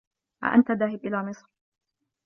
أأنت ذاهب إلى مصر؟